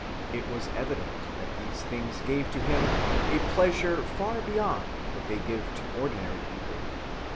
It was evident that these things gave him a pleasure far beyond what they give to ordinary people.